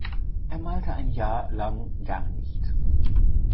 Er malte ein Jahr lang gar nicht.